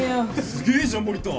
すげえじゃん守田。